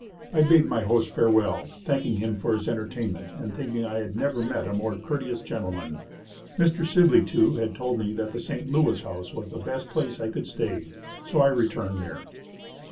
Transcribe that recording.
I bade my host farewell, thanking him for his entertainment and thinking I had never met a more courteous gentleman. Mr. Sibley, too, had told me that the St. Louis house was the best place I could stay, so I returned there.